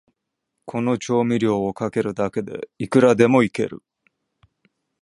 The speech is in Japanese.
この調味料をかけるだけで、いくらでもイケる